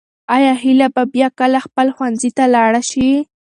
آیا هیله به بیا کله خپل ښوونځي ته لاړه شي؟